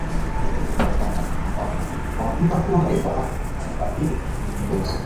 Imam Shamil then fled the village.